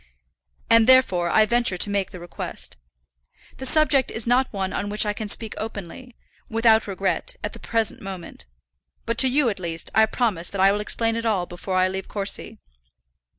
"And therefore I venture to make the request. The subject is not one on which I can speak openly, without regret, at the present moment. But to you, at least, I promise that I will explain it all before I leave Courcy."